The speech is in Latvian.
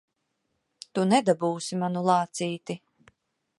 Tu nedabūsi manu lācīti!